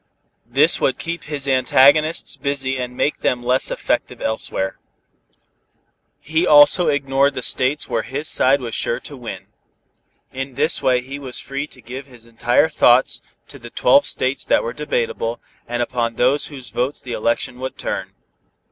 This would keep his antagonists busy and make them less effective elsewhere. He also ignored the states where his side was sure to win. In this way he was free to give his entire thoughts to the twelve states that were debatable, and upon whose votes the election would turn.